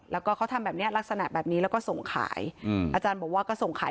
แล้วก็เขาทำแบบนี้ลักษณะแบบนี้แล้วก็ส่งขาย